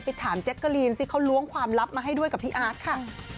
ถามแจ๊กกะลีนสิเขาล้วงความลับมาให้ด้วยกับพี่อาร์ตค่ะ